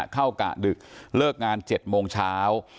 กะดึกเลิกงาน๗โมงเช้า